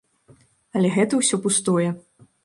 Але гэта ўсё пустое.